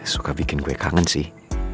suka bikin kue kangen sih